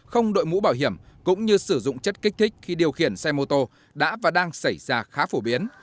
không đội mũ bảo hiểm cũng như sử dụng chất kích thích khi điều khiển xe mô tô đã và đang xảy ra khá phổ biến